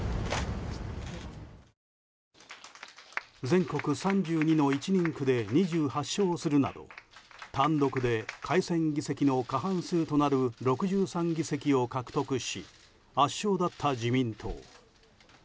全国３２の１人区で２８勝するなど単独で改選議席の過半数となる６３議席を獲得し圧勝だった自民党。